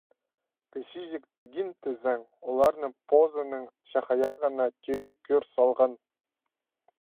Кічиҷек тегин, тізең, оларны позының чахайағына тӧӧй кӧр салған.